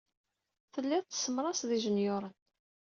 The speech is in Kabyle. Tellid tessemrased ijenyuṛen.